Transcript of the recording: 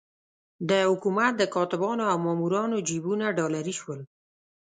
د حکومت د کاتبانو او مامورانو جېبونه ډالري شول.